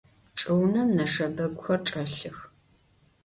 Çç'ıunem neşşebeguxer çç'elhıx.